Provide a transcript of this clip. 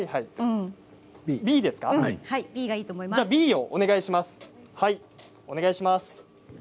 ではＢをお願いします。